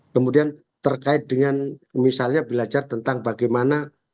kemudian terkait dengan misalnya belajar tentang bagaimana